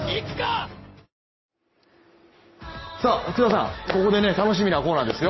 さあ、ここで楽しみなコーナーですよ。